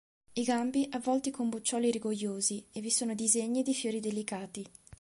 I gambi avvolti con boccioli rigogliosi e vi sono disegni di fiori delicati.